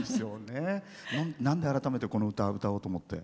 なんで改めて、この歌を歌おうと思って。